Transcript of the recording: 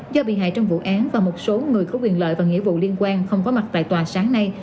do bị hại trong vụ án và một số người có quyền lợi và nghĩa vụ liên quan không có mặt tại tòa sáng nay